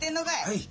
はい！